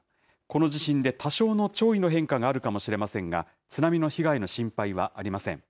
この地震で多少の潮位の変化があるかもしれませんが、津波の被害の心配はありません。